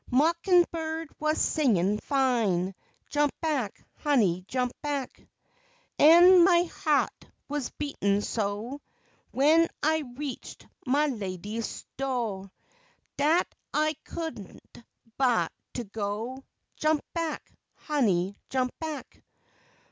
Mockin' bird was singin' fine, Jump back, honey, jump back. An' my hea't was beatin' so, When I reached my lady's do', Dat I could n't ba' to go Jump back, honey, jump back.